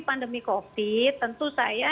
pandemi covid tentu saya